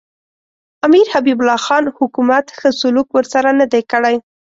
امیر حبیب الله خان حکومت ښه سلوک ورسره نه دی کړی.